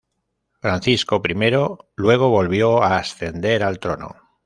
Francisco I luego volvió a ascender al trono.